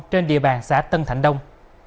trên địa bàn xã tân thành đông